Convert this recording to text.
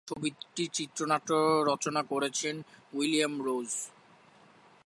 ছবিটির চিত্রনাট্য রচনা করেছেন উইলিয়াম রোজ।